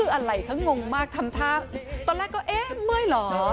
อะไรเขางงมากทำท่าตอนแรกก็เอ๊ะเมื่อยเหรอ